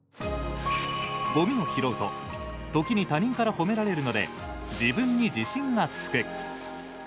ごみを拾うと時に他人から褒められるので自分に自信がつく。